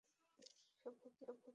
সব ভুক্তভোগীদের জড়ো করতে হবে।